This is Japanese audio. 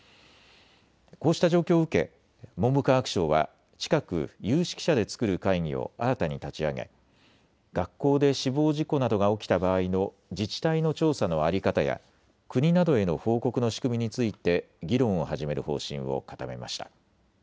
こうした状況を受け文部科学省は近く、有識者で作る会議を新たに立ち上げ学校で死亡事故などが起きた場合の自治体の調査の在り方や国などへの報告の仕組みについて議論を始める方針を固めました。